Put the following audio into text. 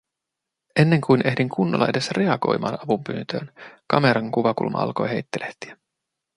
Ennen kuin ehdin kunnolla edes reagoimaan avunpyyntöön, kameran kuvakulma alkoi heittelehtiä.